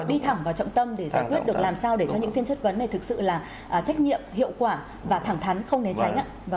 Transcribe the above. đi thẳng vào trọng tâm để giải quyết được làm sao để cho những phiên chất vấn này thực sự là trách nhiệm hiệu quả và thẳng thắn không né tránh ạ